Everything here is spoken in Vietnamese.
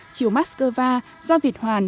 chiều mát skơ va do việt hoàn